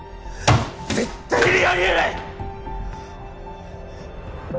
絶対にあり得ない！